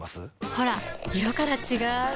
ほら色から違う！